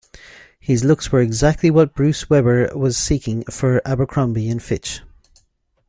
His looks were exactly what Bruce Weber was seeking for Abercrombie and Fitch.